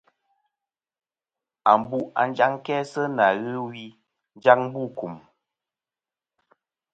Ambu a njaŋ kæ sɨ nà ghɨ wi njaŋ bu kùm.